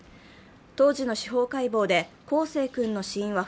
当時の司法解剖で、康生君の死因は